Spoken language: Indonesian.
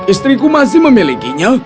istriku masih memilikinya